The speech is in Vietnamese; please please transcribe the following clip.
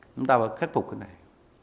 chúng ta phải khắc phục cái này